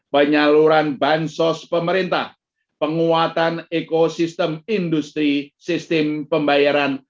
penyaluran bansos pemerintah penguatan ekosistem industri sistem pembayaran